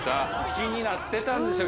気になってたんですよ